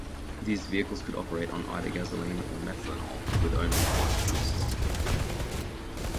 These vehicles could operate on either gasoline or methanol with only one fuel system.